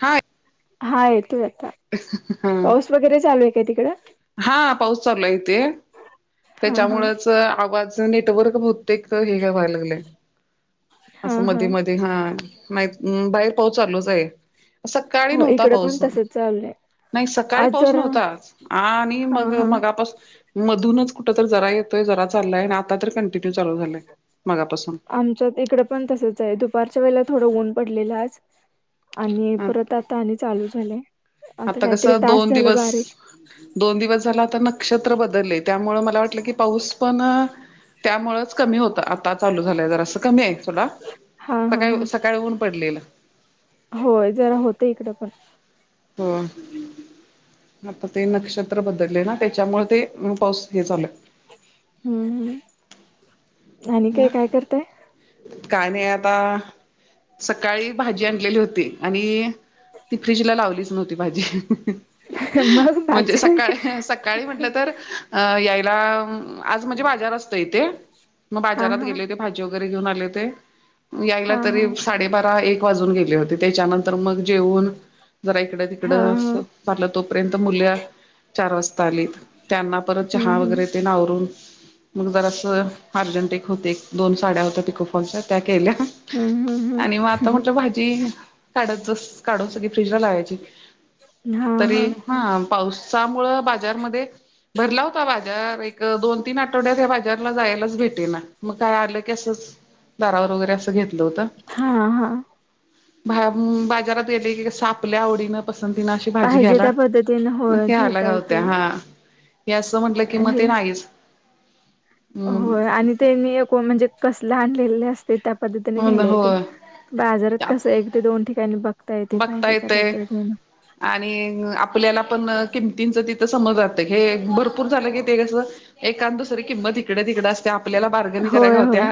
हाय हा येतो आता पाऊस वगैरे चालू आहे काय तिकडं हा पाऊस चालू आहे तेे [inaudible] हा हा त्याच्यामुळेच आवाज नेटवर्क बहुतेक हे काय व्हायला लागलं असं मधी -मधी हा नाही बाहेर पाऊच चालूच आहे सकाळी हो नव्हता इकडं पण पाऊस मग तसच चाललंय नाही सकाळी आज पाोच जर हा नव्हताच आणि मग हा मघापासून मधूनच कुठं तर जरा येतोय जरा चाललाय आणि आता तर कंटिन्यूव आमच्या इकड पण तसच आहे दुपारच्या वेळेला थोडं ऊन पडलेला आज आणि परत आता आणि चालू झालाय आता कस दोन दिवस दो [inaudible] न दिवस झाला आता नक्की नक्षत्र बदलय त्यामुळे मला वाटलं की पाऊस पण त्यामुळेच कमी होत आता चालू झालंय जर असं कमी आहे तुला हा [inaudible] हा सकाळी हा -सकाळी ऊन पडलेल होय जरा होतंय इकडे पण हो [inaudible] आता [inaudible] ते नक्षत्र बदलले ना त्याच्यामुळे ते पाऊस हे चालय हम्म -हम् आणि काय- काय करताय का नाही आता सकाळी भाजी आणलेली होती आणि ती फ्र्रीजला लावलीच [inaudible] नव्हती भाजी मग [inaudible] म्हणजे बादशा सकाळी- सकाळी म्हंटलं तर यायचं आज म्हणजे बाजार असतोय इथे मग हा बाजात हा गेले हो ज [inaudible] वगैरे घेऊन आले ते यायला हा तरी हा साडेबारा एक वाजून गेले होते त्याच्यानंतर मग जेवून जरा इकड तिकड हा हा [inaudible] भरलं तोपर्यंत मुलं चार वाजता त्यांना परत हम्म चहा हम्म वगैरे ते आवरून मग जर असं अर्जंट एक होते दोन साड्या होत्या पिकोफॉलच्या त्या [inaudible] केल्या हम्म हम्म आणि हम्म मग आता म्हटलं भाजी काढतस [inaudible] काढून सगळी फ्रीजला लावायची तरी हा पाऊस त्यामुळे बाजार मध्ये भरला होता बाजार एक दोन तीन आठवड्या बाजारला जायला भेटेना मग काय आलं टी [inaudible] दारावर वगैरे अस घेतो हा- हा बाजारात गेले की कस आपल्या आवडीनं पसंतीन अशी भाजी पाहिजे घ्यायला त्या पद्धतीने [inaudible] होय मग आला घेता येते गावत्या हा हे असं म्हटलं की ते नाहीच हो [inaudible] हम्म आणि त्यांनी म्हणजे कसले आणलेले असते त्यात पद्धतीने हो घ्यायला बाजारात कस एक ते दोन ठिकाणी बघ बघता येतय [inaudible] आणि आपल्याला पण किमतींचं तिथं समज हे भरपूर झालं की ते एकांन दुसरं किंमत तिकडे- तिकड असते आपल्याला बार्गनी करायला होय होय गावत्या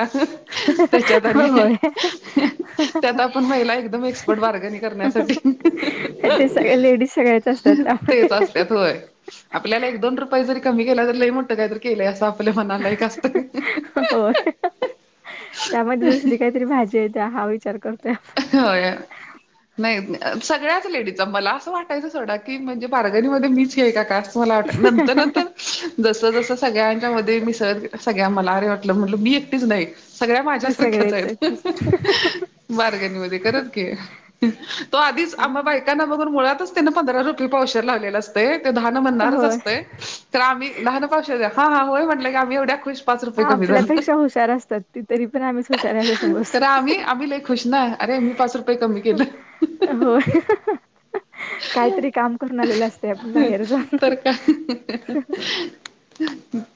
त्याच्यात होय. [inaudible] त्यात आपण महिला एकदम एक्सपर्ट बार्गनी कर करण्यासाठी ते सगळ्या लेडीज सगळ्याच असतात त्यामध्ये तेच असततय आपल्याला एक दोन रुपये जरी कमी केला तर ल म्हणत काहीत केलंय असं आपल्या मनाला एक का असतं होय. त्यामध्ये दुसरी काहीतरी भाजी येत ह हो नाहीत नाही सगळ्याच लेडीज मला असं वाटायचं सोडा की म्हणजे बार्गनी ममध्ये मीच हे का वाट नंतर नंतर जस जस सगळ्यांच्या म मी सह सगळ्यां मला ट म्ह मी एकटच नाही सगळ्या माझ्या सारख्याच सगळेच तस आहेत ब घ तो आधीच आ बाकांना ब मुात तिने पंधरा रुपये पावशेर लावलेलं असतंय. दहा न म्हणणारच होय. असते तर आम्ही ान पावष हा हा होय म्हटलं की आम्ही एवढ्या खुश पाच रुपये क आपल्यापेक्षा हुशार असतात ती तरी पण आम्हीच हुशार याच खरं समजत आम्ही आम्ही लय खुश ना अरे मी पाच रुपये कमी केलं हो काहीतरी काम करून आलेलं असते आपण बाहेर जाऊ तर काय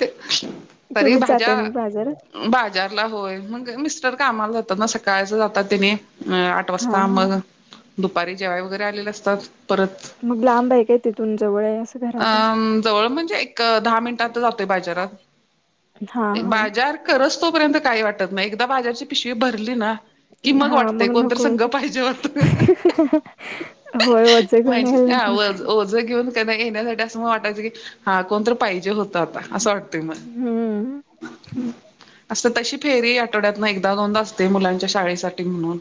ते तरी तुम्हीच भाज्या जाताय मग बाजारात बाजारला होय म मिस्टर कामाला ना सकाळच जातात त्यानें आठ हा वाजता हा मग दुपारी जेवाय वगैरे आलेले असतात मग लांबबाईक आहे त तुम जव अं जवळ म्हणजे एक दहा मिनिटात जातोय बाजारात हा हा बाजार करच तोपर्यंत काही वाटत नाही एकदा बाजारची पिशवी भरली ना कि मग हा वाटतय कोणत नको संघ होते. पाहिजे होय ओझ घेऊन माहिती यायला ह नको ओझ घेऊन त्यांना घ येण्यासाठी असं मग वाटायचं की हा कोण तर पाहिजे होत आता असं वाटतय हम्म मग अस तशी फेरी आठवड्यात ना एकदा दोनदा असते मुलांच्या शाळेसाठी म्हणून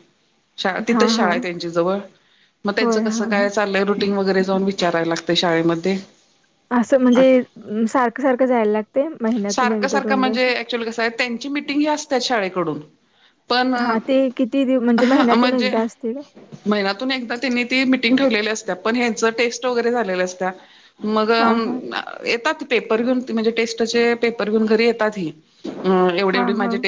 श हा तिथंच शाळा हा आहे त्यांच्या जवळ मग त्यांचं होय कसं हा हा काय चाललंय ंग वगैरे जाऊन विचारय लागते शाळेमध्ये असं म्हणजे सारखं सारखं जायला लागते महिन्यातून एकदा दोनदा असं श पण हा ते किती दिव म्हणजे महिन्यातून म्हणजे एकदा असते का महिन्यातून एकदा त्यांनी ती पण हा हा वरत घव किती हां, हां.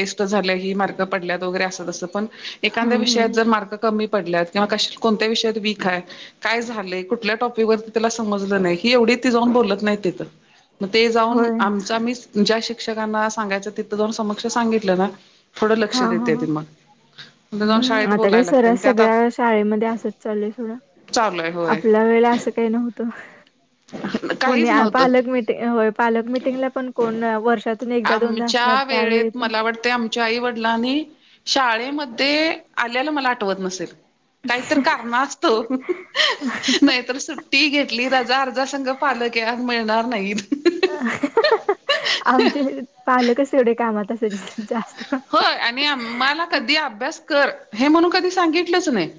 मार्क पडले वगैरे असं तसं पण एखाद्या हं, विषयात हं. जर मार्क कमी पडल्यात किंवा कोणत्या विषयात वीक आहे, काय झाले कुठल्या टॉपिक त्याला समजलं नाही. ही एवढी ती जाऊन बोलत नाही तिथ मग ते जाऊन होय. आमच म ज्या प्रेक्षकांना सांगायचं तिथं जाऊन समक्ष सांगितलं ना थोडं लक्ष देते त मग तिथं जाऊन हम्म. शाळेत आता काय बोलायला लागते आणि सरस त्यात सगळ्या शाळेमध्ये असत चाललय सोडा. चालू आहे होय आपल्या वेळे असं काही नव्हतं. कोणी काहीच नव्हतं पालक मिटिंग होय. पालक मिटिंगला पण कोण वर्षातून एकदा, दोनदा असणार त्यावेळी पण ते आमच्या आई वडिलांनी शाळेमध्ये आल्याला मला आठवत नसेल. काहीत कारणा असतो नाहीतर सुट्टी घेतली रजा अहं संघ पालक आहे आज मिळणार नाहीत अहं आमचे पालकस एवढे होय आणि आमला का कधी अभ्यास कर हे म्हणून कधी सांगि कुठलच नाही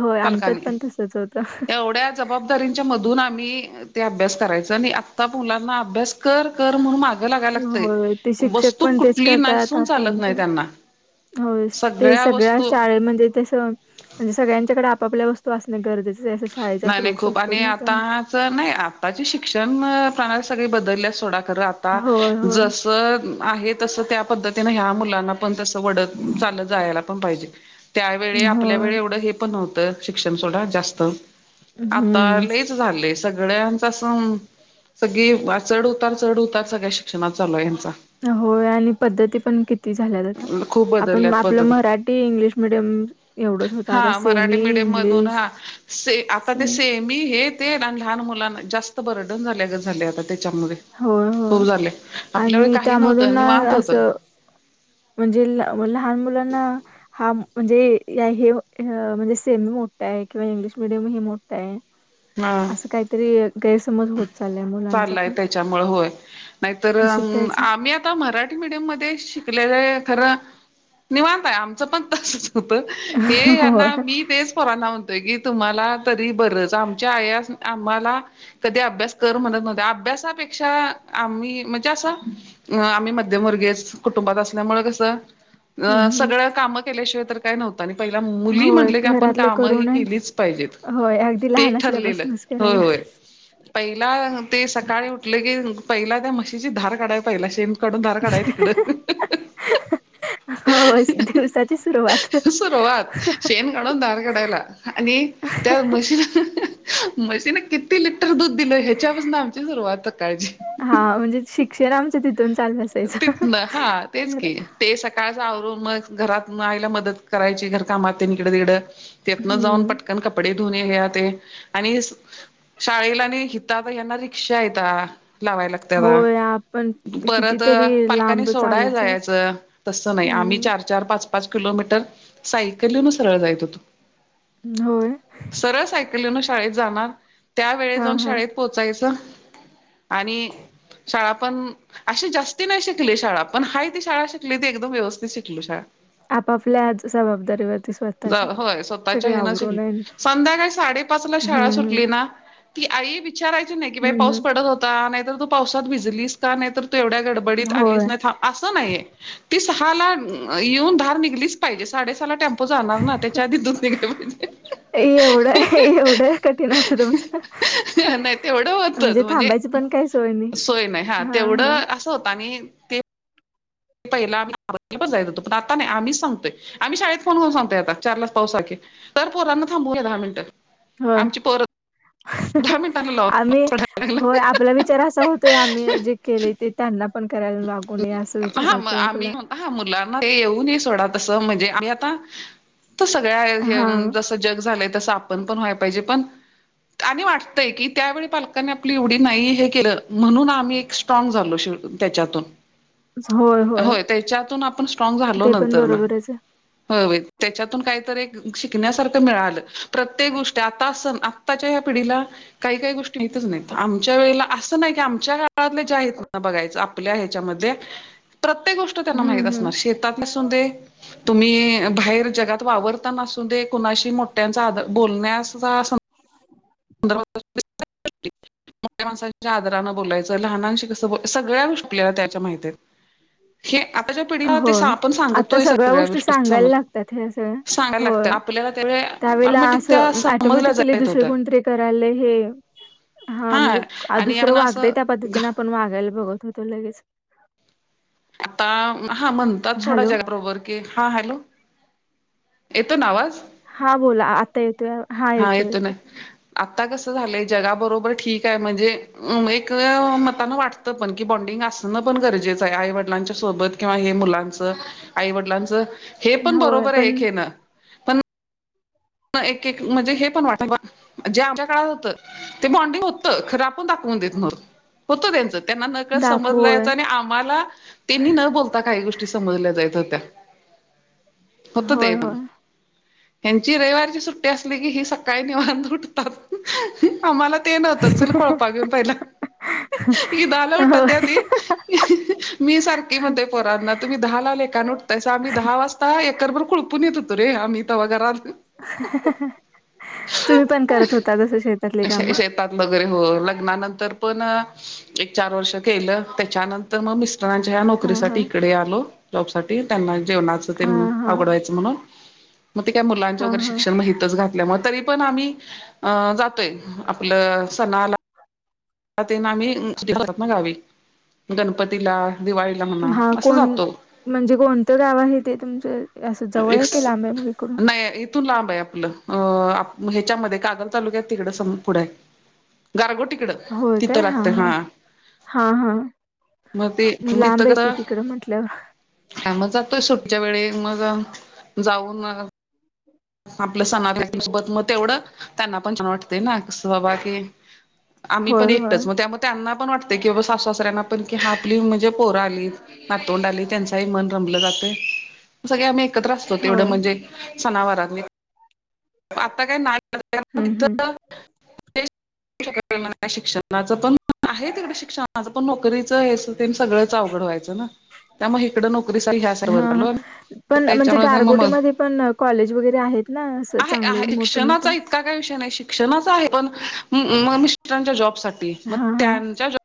होय, आमच्यात पालकांनी पण तसंच होतं. एवढ्या जबाबदारीच्या मधून मी अभ्यास करायच आता मुलांना अभ्यास कर कर माग लागायला लागत होय, ते शिक्षक वस्तू पण तेच कुठली करतात, नसून आपण चालत नाही पण त्यांना. होय ते सगळ्या शाळे म्हणजे तस म्हणजे सगळ्यांच्याकडे आपाप वस्तू असण गरजें नाही नाही खूप आणि आताच नाही आताचे शिक्षण सग बदलल्या सोडा खर आता होय, होय. जस आहे तस त्या पद्धतीने ह्या मुलांना पण तस वडत चाल जायला पण पाहिजे त्यावेळी आपल्या वेळे होय, एवढं हे पण नव्हतं शिक्षण सोडा जास्त आता हम्म, लईच झालेस. सगळ्यांचं सग चढ उतार चढ उतार सगळ्या शिक्षणात चालू आहे होय आणि पद्धती पण किती झाल्यात आता खूप आपण बदलल्यात आपलं पद्धती मराठी इंग्लिश मिडियम एवढंच होत आता हा मराठी सेमी मीडियम मधून इंग्लिश हा आता ते सेमी हे ते लहान मुलां जास्त बर्डन झाल्यागत झालय आता त्याच्यामध्ये होय, होय खूप झाले. आपल्या वेळी आणि काही नव्हत त्यामधून ना निवाांत होत. असं म्हणजे लहान मुलांना हा म्हणजे या हे म्हणजे सेमी मोठा आहे किंवा इंग्लिश मिीडियम हे मोठा आहे. हा असं काहीतरी गैरसमज होत चालय मुलांचा पण नाही शिकायचं आम् आता मडम केले खरं निवांतय आमचं पण त होत हे यांना होय. मी तेच पोरांना म्हणत की तुम्हाला तरी बरच आमच्या आयास आम्हाला कधी अभ्यास कर म्हणत नव्हत अभ्यासापेक्षा आम्ही म्हणजे अस आम्ही मध्यमवर्गी गेस कुटुंबात असल्यामुळ हं हं. सगळं काम केल्याशिवाय तर काय नव्हत आणि पहिल्या मुली होय म्हटले की आपण घरातले काम करून आणि केलीच पाहिजेत ते ठरलेलं. होय तेवढ्याला. होय. पहिला ते सकाळी उठले की पहिला त्या म्हशीची धार काढाय पहिला शेम काढून धार काढाय तिकडं अहं अहं. अहं अहं हो दिवसाची सुरुवात सुरुवात शेण काढून धार काढायला आणि त्या मशी म्हशी ना किती लि दिल ह्याच्यापासून आमची सुरुवात सकाळची हा म्हणजे शिक्षण आमचं तिथून चालू असायचं तिथन हा तेच खरं. की ते सकाळ वर मग घरात मग आईला मदत करायची घर कामात तेन इकडं तिकडं. त्यातनं जाऊन हम्म पटकन कपडे धुन हे ते आणि शाळेला आणि हीत यांना रिक्षा हैता. लावाय लागते आता होय आपण परत कितीतरी पालकांनी लांब सोडा चालत जायचं. जायच तस नाही आम्ही हम्म चार चार पाच पाच किलोमीटर सायकल येऊन सरळ जायच होतो होय. सरळ सायकली येन शाळेत जाणार त्या वेळे हा जाऊन हा शाळेत पोहचायचं आणि शाळा पण अशी जास्त ती नाही शिकली शाळा पण ह त शाळा शिकली ती एकदम्यवस्थित शिकलली शाळा आपापल्या जबाबदारीवरती स्वतःच्या होय स्वतःच्या सगळे हे ना आवरून आहे संध्याकाळी सा साडेपाच ला हम्म शाळा हम्म सुटली ना ती आई विचारायची नाही की बाई हम्म पाऊस पडत होता नाहीतर तू पावसात भिजलीस का नाहीर तू एवढ्या ग हम्म नाही होय अस नाही त सहा ला येऊन धार निघलीच पाहिजे साडे सहा टे जाणार ना त्याच्या आधी दोनघले पाहिजे एवढं एवढं कठीण होतं तुमचं नाही तेवढं होतच म्हणजे थांबायच पण काही सोय नाही सोय नाही हा तेवढं असं होत आणि ते ते पहिला आम मारालाच जायच होतो पण आम्च सांगतय आम्ही शाळेत फोनून सांगतोय आता चार ला पावसाखे तर पोरांना थांबूया दहा मिनटं होय आमची पोर आम्ही होय आपला विचार असा होतोय आम्ही जे केले ते त्यांना पण करायला लागू नये असं विचार हा मग होतोय आम्ही आपला म्हण हा मुलांना ते येऊन सोडत त म्हणजे आता हा सगळ्या जस जग झालंय तस पण पण व्हाय पाहिजे पण आणि वाटतय की त्यावेळी पालकांनी आपली एवढी नाही हे केलं म्हणून आम्ही एक स्ट्रॉग झालो श त्यात होय होय हो त्याच्यातून आपण स्ट्रंग झालो ते पण नंतर ना बरोबरच आहे हो त्याच्यातून काहीत शिकण्यासारख मिळालं प्रत्येक गोष्टी आता आताच्या या पिढीला काही काही गोष्टी नाही आमच्या वेला नाही की आमच्या काळातले जे आहेत ना बघायचं आपल्या ह्याच्यामध्ये प्रत्येक गोष्ट त्यांना हम्म माहित हम्म असणार शेतात नसून दे तुम्ही बाहेर जगात वावरतानासून ते कुणाशी मोठ्यांचा आ बोलण्याचा [inaudible] मोठ्या माणसाांच्या आदरानें बोलायचं लहानांशी कसं बय सगळ्या गोष्टी आपल्याला त्याच्या माहितीत ह्या आताच्या पिढीला ते होय आपण आता सांगतोय सगळ्या गोष्टी सांगायला समर लागतात ह्या सगळ्या सांगायला लागतं होय. आपल्याला त्यावेळी त्यावेळेला टमॅटिक त्या समजल्या जा होत्या. करालं हे हा म्हणजे आणि दुसरं आपण वागत त्या असं पद्धतीने आपण वागायला बघत होतो ेच आता हा म्हणतात थोडा जग बरोबर की हा हॅलो येतो नावाज हा बोला आता येतोय हा येतोय येतो आता कसं झालंय जगाबरोबर ठीक आहे म्हणजे एक मतान वाटतं पण की बॉन्डे णं पण गरजेचं आहे आईवडिलांच्या सोबत किंवा हे मुलांचं आईवडिलांचं हे पण होय बरोबर आहे पण एक हेन पण एक एक म्हणजे हे पण वाट जे आमच्या काळात होतं ते बॉन्डिंग होतं खरं आपण दाखव द होत त्यांच त्यांना नकळ दाखव समजला होय यायचं आणि आम्हाला त्यांनी न बोलता काही गोष्टी समजल्या जायत होत्या होत ते होय पण होय ह्यांची रविवारची सुट्टी असली की ही सकाळी नि वाां उठतात आम्हाला ते नव्हत चल कोळपा घेऊन पाहिला हि दल उठतात होय त्या ती मी सारखी मध्ये पोरांना तुम्ही द ला आले एका आम्ही दहा वाजता एकरभर खुळपून येत होतो रे आम्ही ते्हा घरात [inaudible] पण करत होता तसं शेतातली कामं शेतात वगैरे हो लग्नानंतर पण एक चार वर्ष केलं त्याच्यानंतर मग मिस्टरांच्या ह हा हा नोकरीसाठी इकडे आलो. जॉब साठी त्यांना जेवणाच ते हा हा आवडवायचं म्हणून मग का मुला हा हा शिक्षण माहितच घातल्यामुळे त पण आम्ही अ जातोय आपलं सणाला ना आम्ही दिात ना गावी गणपतीला दिवाळीला म्हणा हा असं कोण जातो. म्हणजे कोणतं गाव आहे ते तुमचं असं जवळ एक आहे की लांब्या मुकडून नाही इथून लांब आहे आपलं अ ह्याच्यामध्ये कागल तालुक्यात तिकडं पुढे गारगो तिकडं. होय काय तिथं हा लागतं हा हा हा. मग लांब आहे कि तिकड म्हंटलंवर ह म जातोय सुटच्या वेळी मग जाऊन. आपलं सणासोबत मग तेवढं त्यांना पण छान वाटते ना क बाबा की आम्ही होय पण होय एकटच मग त्यामुळे त्यांना आपण वाटत की बा सासासऱ्यांना पण की हा आपली म्हणजे पोरा आली नातोंड आली त्यांचाही मन रमलं जात. सगळे आम्ही व होय म्हणजे आ का? हम्म हम्म [unintelligible] शिक्षणाच पण आहे तिकडे शिक्षणाच पण न वयच त्या री ह्या हा हा सर्वलो पण म्हणजे त्याच्यामुळे म म गारगोटीमध्ये पण कॉलेज वगैरे आहेत ना असं आहे आहे चांगले मोठे मोठे शिक्षणाचा इतका काय विषय नाही शिक. शष आहे पण मिटरांच्या जॉब साठी मग हा हा त्यांच्या ज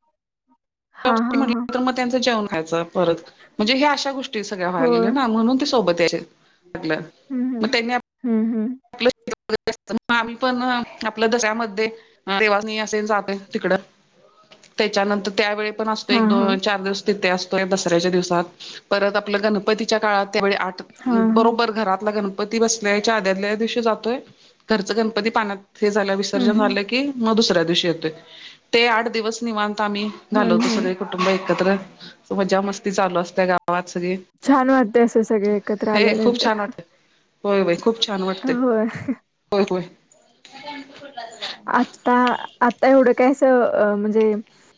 हा हा म्हट हा तर मग त्यांच जेवण व्हायच परत म्हणजे ह अशा गोष्टी सगळ्या होय व्हाय ना म्हणून ते सोबत म्हटलं हम्म हम् हम्म हम्म. ग आम्ही पण आपल्या दसऱ्यामध्ये सवानी असे जाते तिकड. त्याच्यानंतर त्यावेळी हा हा णतो चार दिवस तिथे असतो दसऱ्याच्या दिवसात परत आपलं गणपतीच्या काळात त्यावेळी आठ हा हा बरोबर घरातला गणपती बसल्याच्या आद्याल्या दिव जातोय घरच गणपती पाण्यात हे झालं हम्म विसर्जन हम्म झालं की मग दुसऱ्या येत ते आठ दिवस निवांत आम्ही झाालो हम्म होतो हम्म सगळे कुटुंब एकत्र मजा मस्ती चालू असते गावात छान वाटतंय असं सगळे एकत्र हे खूप छान वाट होय खूप छान वा. हो. [unintelligible] आता आता एवढं कायस म्हणजे